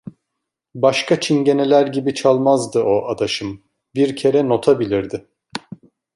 Başka Çingene'ler gibi çalmazdı o, adaşım: Bir kere nota bilirdi.